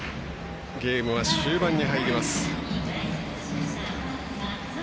ゲームは終盤に入ります。